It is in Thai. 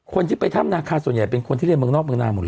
คนที่ไปถ้ำนาคาส่วนใหญ่เป็นคนที่เรียนเมืองนอกเมืองนานหมดเลย